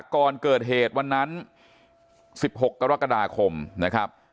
ก่อนเกิดเหตุวันนั้น๑๖กรกฎาคมนะครับ